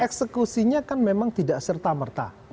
eksekusinya kan memang tidak serta merta